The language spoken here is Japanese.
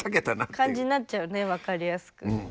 感じになっちゃうね分かりやすく。